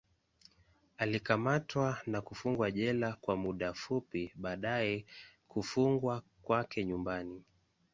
Alikamatwa na kufungwa jela kwa muda fupi, baadaye kufungwa kwake nyumbani.